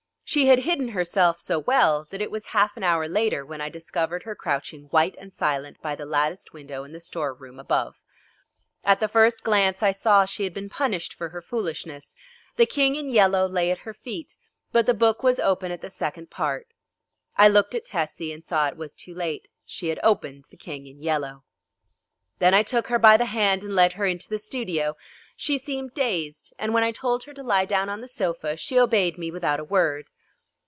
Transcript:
She had hidden herself so well that it was half an hour later when I discovered her crouching white and silent by the latticed window in the store room above. At the first glance I saw she had been punished for her foolishness. The King in Yellow lay at her feet, but the book was open at the second part. I looked at Tessie and saw it was too late. She had opened The King in Yellow. Then I took her by the hand and led her into the studio. She seemed dazed, and when I told her to lie down on the sofa she obeyed me without a word.